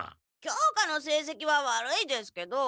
教科のせいせきは悪いですけど。